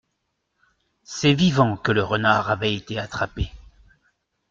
C’est vivant que le renard avait été attrapé.